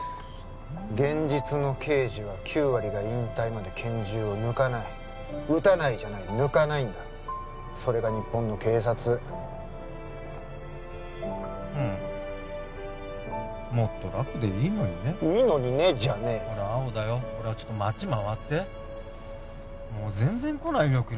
現実の刑事は９割が引退まで拳銃を抜かない「撃たない」じゃない抜かないんだそれが日本の警察ふんもっとラフでいいのにね「いいのにね」じゃねーよほら青だよほらちょっとあっち回ってもう全然来ないよ